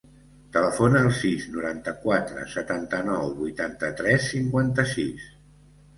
Telefona al sis, noranta-quatre, setanta-nou, vuitanta-tres, cinquanta-sis.